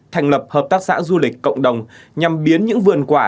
thành lập hợp tác xã du lịch cộng đồng nhằm biến những vườn quả